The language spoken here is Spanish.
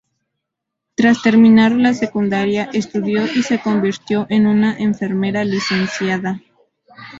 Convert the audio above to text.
Tras terminar la secundaria estudio y se convirtió en una enfermera licenciada.